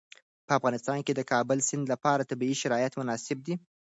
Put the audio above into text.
په افغانستان کې د د کابل سیند لپاره طبیعي شرایط مناسب دي.